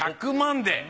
１００万で。